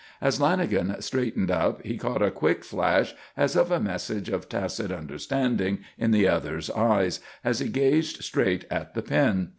As Lanagan straightened up he caught a quick flash, as of a message of tacit understanding, in the other's eyes, as he gazed straight at the pin.